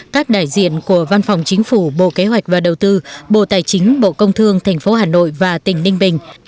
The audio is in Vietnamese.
các đại diện của văn phòng chính phủ bộ kế hoạch và đầu tư bộ tài chính bộ công thương tp hà nội và tỉnh ninh bình